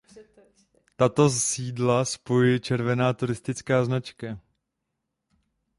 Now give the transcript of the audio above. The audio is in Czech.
Tato sídla spojuje červená turistická značka.